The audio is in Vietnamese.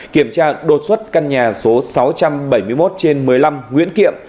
kiểm tra đột xuất căn nhà số sáu trăm bảy mươi một trên một mươi năm nguyễn kiệm